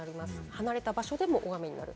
離れた場所でも大雨になる。